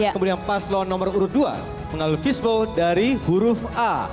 kemudian paslon nomor urut dua mengambil fish flow dari huruf a